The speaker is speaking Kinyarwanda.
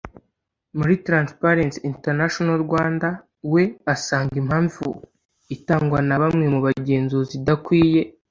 muri Transparency International-Rwanda we asanga impamvu itangwa na bamwe mu bagenzuzi idakwiye